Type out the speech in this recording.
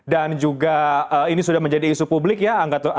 dan juga ini sudah menjadi isu publik ya